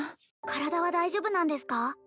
体は大丈夫なんですか？